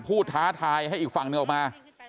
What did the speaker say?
ท้าทายให้อีกฝั่งหนึ่งออกมา